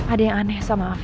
ada yang aneh sama aku